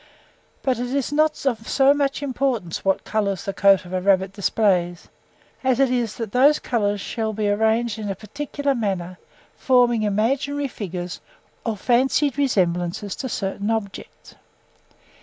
But it is not of so much importance what colours the coat of a rabbit displays, as it is that those colours shall be arranged in a particular manner, forming imaginary figures or fancied resemblances to certain objects.